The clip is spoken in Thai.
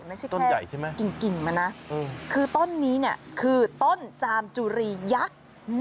มันไม่ใช่แค่กลิ่งมั้ยนะคือต้นนี้เนี่ยคือต้นจามจุรียักษ์